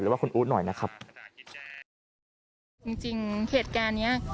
ว่าคุณอู๊ดหน่อยนะครับจริงจริงเหตุการณ์เนี้ย